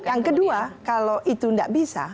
yang kedua kalau itu tidak bisa